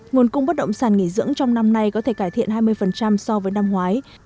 nguồn cung bất động sản nghỉ dưỡng trong năm nay có thể cải thiện hai mươi so với năm ngoái